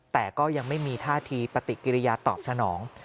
แต่ก็ยังไม่มีท่าทีปฏิกิริยาตอบสนอง